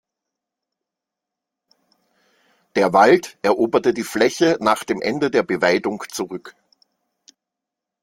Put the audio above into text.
Der Wald eroberte die Fläche nach dem Ende der Beweidung zurück.